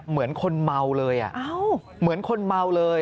เหมือนคนเมาเลยเหมือนคนเมาเลย